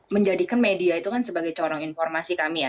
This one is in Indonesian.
menjadikan media itu kan sebagai corong informasi kami ya